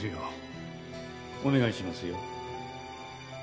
お願いしますよ。